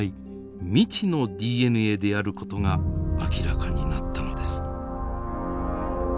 未知のＤＮＡであることが明らかになったのです。